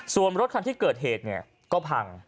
ส่วนรถคันที่เกิดเหตุก็พัง